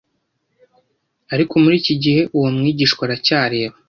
Ariko muri iki gihe uwo mwigishwa aracyareba